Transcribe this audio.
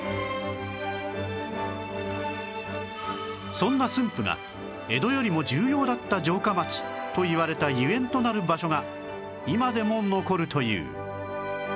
そんな駿府が江戸よりも重要だった城下町といわれたゆえんとなる場所が今でも残るという